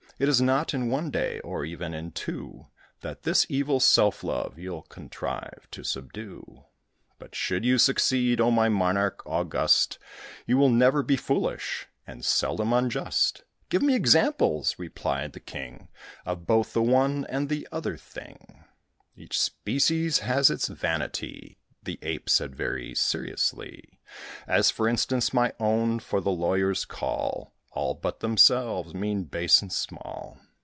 It is not in one day, or even in two, That this evil self love you'll contrive to subdue; But should you succeed, oh, my monarch august, You will never be foolish, and seldom unjust." "Give me examples," replied the King, "Of both the one and the other thing." "Each species has its vanity," The Ape said very seriously; "As, for instance, my own; for the lawyers call All but themselves, mean, base, and small.